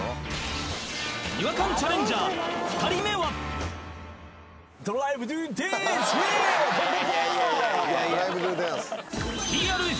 違和感チャレンジャー２人目はＹＥＡＨ！